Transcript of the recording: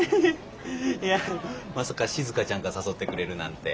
いやまさかしずかちゃんが誘ってくれるなんて。